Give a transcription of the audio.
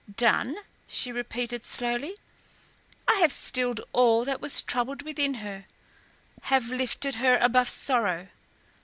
"Done?" she repeated, slowly. "I have stilled all that was troubled within her have lifted her above sorrow.